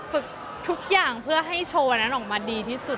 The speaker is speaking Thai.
ฝึกทุกอย่างเพื่อให้โชว์นั้นออกมาดีที่สุด